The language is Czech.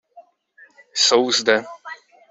Jsou zde.